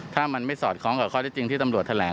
ถ้ามันไม่สอดคล้องกับข้อที่จริงที่ตำรวจแถลง